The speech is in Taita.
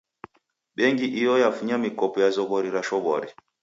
Bengi iyo yafunya mikopo ya zoghori ra shwaw'ori.